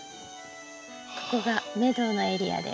ここがメドウのエリアです。